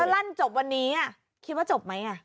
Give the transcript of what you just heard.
ลั่นจบวันนี้คิดว่าจบไหม